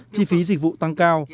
chi phí dịch vụ tăng cao